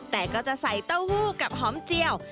แต่ก็จะใส่เต้าหู้กับหอมเจียว